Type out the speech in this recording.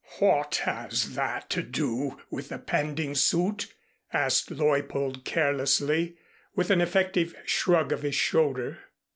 "What has that to do with the pending suit?" asked Leuppold carelessly, with an effective shrug of his shoulder.